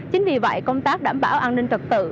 chính vì vậy công tác đảm bảo an ninh trật tự